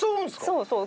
そうそう！